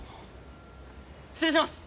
失礼します。